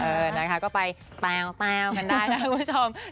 เออนะคะก็ไปแต้วกันได้นะคุณผู้ชม